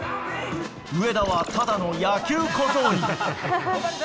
上田はただの野球小僧に。